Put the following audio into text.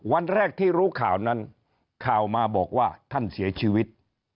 วันแรกที่รู้ข่าวนั้นข่าวมาบอกว่าท่านเสียชีวิต